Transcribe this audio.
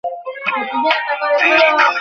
প্রিয় রাজ, লন্ডন খুব উত্তেজনাপূর্ণ শহর মনে হচ্ছে।